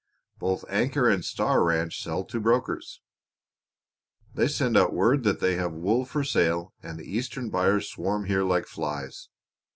Both Anchor and Star Ranch sell to brokers. They send out word that they have wool for sale and the Eastern buyers swarm here like flies.